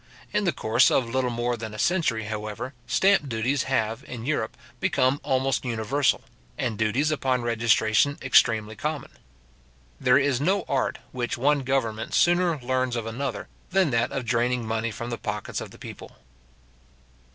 In the course of little more than a century, however, stamp duties have, in Europe, become almost universal, and duties upon registration extremely common. There is no art which one government sooner learns of another, than that of draining money from the pockets of the people.